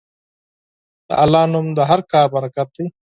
د الله نوم د هر کار برکت دی.